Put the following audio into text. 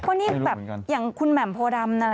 เพราะนี่แบบอย่างคุณแหม่มโพดำนะ